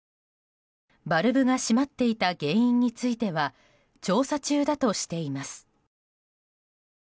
バルブが閉まっていた原因については調査中だとしています。